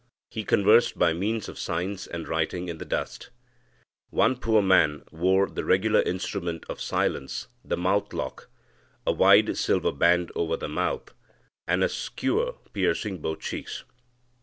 He conversed by means of signs and writing in the dust]. One poor man wore the regular instrument of silence, the mouth lock a wide silver band over the mouth, and a skewer piercing both cheeks.